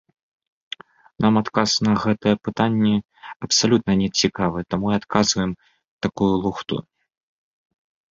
Нам адказ на гэтае пытанне абсалютна не цікавы, таму і адказваем такую лухту.